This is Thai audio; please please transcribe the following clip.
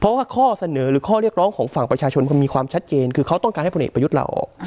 เพราะว่าข้อเสนอหรือข้อเรียกร้องของฝั่งประชาชนมันมีความชัดเจนคือเขาต้องการให้พลเอกประยุทธ์ลาออก